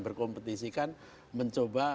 berkompetisi kan mencoba